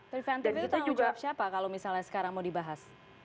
preventif itu tanggung jawab siapa kalau misalnya sekarang mau dibahas